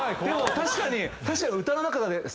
でも確かに歌の中で。